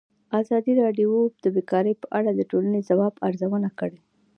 ازادي راډیو د بیکاري په اړه د ټولنې د ځواب ارزونه کړې.